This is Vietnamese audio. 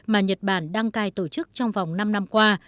mà nhật bản đang cài tổ chức trong vòng năm năm qua